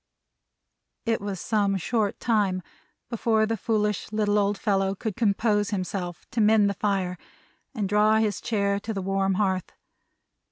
It was some short time before the foolish little old fellow could compose himself to mend the fire, and draw his chair to the warm hearth.